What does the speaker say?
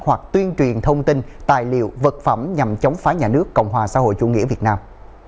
hoặc tuyên truyền thông tin tài liệu vật phẩm nhằm chống phá nhà nước cộng hòa xã hội chủ nghĩa việt nam